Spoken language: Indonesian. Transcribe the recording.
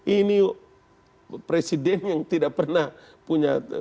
ini presiden yang tidak pernah punya